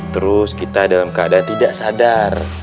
terus kita dalam keadaan tidak sadar